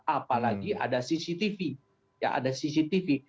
apalagi ada cctv ya ada cctv